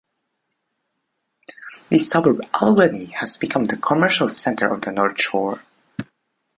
The suburb Albany has become the commercial centre of the North Shore.